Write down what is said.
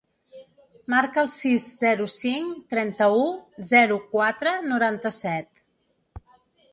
Marca el sis, zero, cinc, trenta-u, zero, quatre, noranta-set.